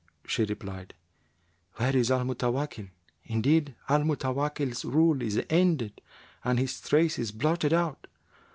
She replied, 'Where is Al Mutawakkil? Indeed Al Mutawakkil's rule is ended and his trace is blotted out!'